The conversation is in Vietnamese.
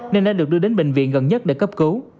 nên đã được đưa đến bệnh viện gần nhất để cấp cứu